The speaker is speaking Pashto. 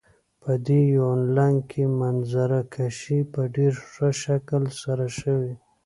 په دې يونليک کې منظره کشي په ډېر ښه شکل سره شوي.